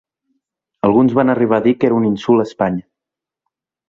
Alguns van arribar a dir que era un insult a Espanya.